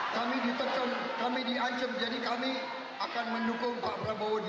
kami ditekan kami diancam jadi kami akan mendukung pak prabowo di